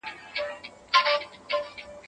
غواړم له شونډو دي پلمې په شپه کي وتښتوم